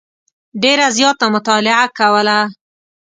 ډېره زیاته مطالعه کوله.